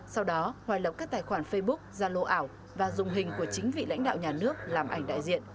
sau đó hoài lập các tài khoản facebook ra lô ảo và dùng hình của chính vị lãnh đạo nhà nước làm ảnh đại diện